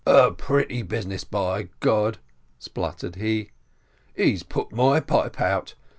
"A pretty business, by God," sputtered he; "he's put my pipe out.